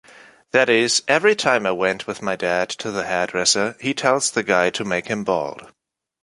That is, every time I went with my dad to the hairdresser he tells the guy to make him bald